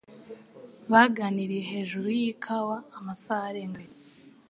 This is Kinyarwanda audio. Baganiriye hejuru yikawa amasaha arenga abiri